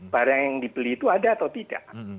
barang yang dibeli itu ada atau tidak